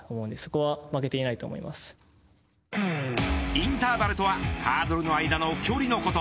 インターバルとはハードルの間の距離のこと。